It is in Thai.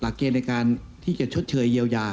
เกณฑ์ในการที่จะชดเชยเยียวยา